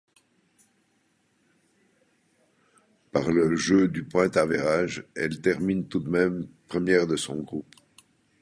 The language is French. Par le jeu du point-average, elle termine tout de même première de son groupe.